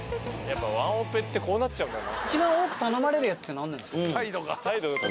やっぱりワンオペってこうなっちゃうんだな。